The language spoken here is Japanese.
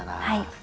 はい。